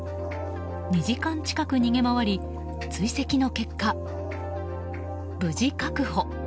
２時間近く逃げ回り追跡の結果、無事確保。